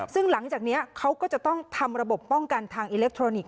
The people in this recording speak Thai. ซึ่งหลังจากนี้เขาก็จะต้องทำระบบป้องกันทางอิเล็กทรอนิกส